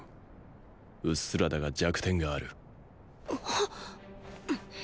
うっすらだが弱点がある。